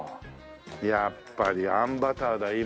やっぱりあんバターだよ